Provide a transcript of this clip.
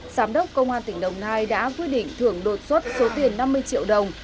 giám đốc công an tỉnh đồng nai đã quyết định thưởng đột xuất số tiền năm mươi triệu đồng